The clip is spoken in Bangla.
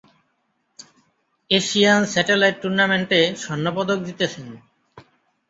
এশিয়ান স্যাটেলাইট টুর্নামেন্টে স্বর্ণপদক জিতেছেন।